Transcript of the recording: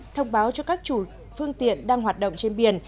thông báo cho các chủ phương tiện đang hoạt động trên biển